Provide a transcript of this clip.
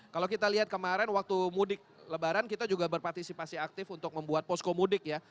kalau kita lihat kemarin waktu mudik lebaran kita juga berpartisipasi aktif untuk membuat posko mudik ya